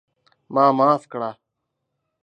ما معاف کړه!